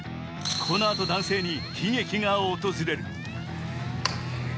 このあと男性に、悲劇が訪れる。